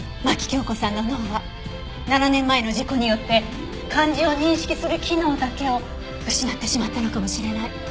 牧京子さんの脳は７年前の事故によって漢字を認識する機能だけを失ってしまったのかもしれない。